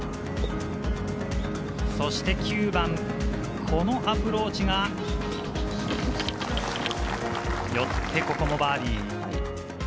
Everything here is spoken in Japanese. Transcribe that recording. そして９番、このアプローチが寄って、ここもバーディー。